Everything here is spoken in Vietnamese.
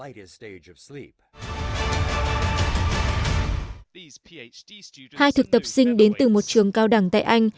hai thực tập sinh đến từ một trường cao đẳng tại anh